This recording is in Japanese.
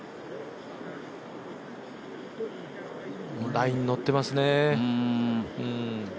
ライン、のってますね。